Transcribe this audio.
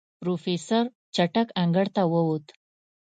پروفيسر چټک انګړ ته ووت.